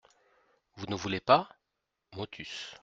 Vous ne voulez pas ? MOTUS.